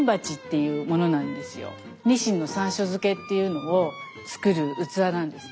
鰊の山椒漬けっていうのを作る器なんですね。